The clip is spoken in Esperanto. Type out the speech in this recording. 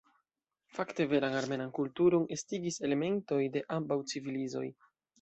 Fakte veran armenan kulturon estigis elementoj de ambaŭ civilizoj.